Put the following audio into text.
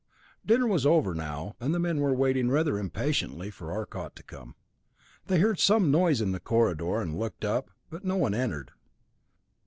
Dinner was over now, and the men were waiting rather impatiently for Arcot to come. They heard some noise in the corridor, and looked up, but no one entered.